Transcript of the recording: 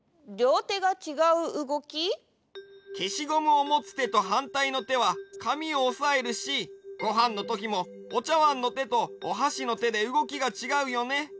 けしゴムをもつてとはんたいのてはかみをおさえるしごはんのときもおちゃわんのてとおはしのてでうごきがちがうよね。